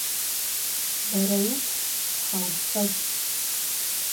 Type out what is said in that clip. Бэрэупс щхьэ упсэкӏ!